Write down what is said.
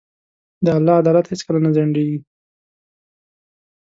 د الله عدالت هیڅکله نه ځنډېږي.